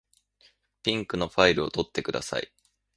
ピンクのファイルを取ってください。